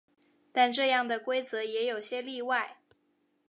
但这样的规则也有些例外。